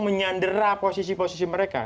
menyandera posisi posisi mereka